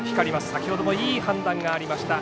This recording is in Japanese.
先ほどもいい判断がありました。